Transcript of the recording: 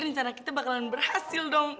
rencana kita bakalan berhasil dong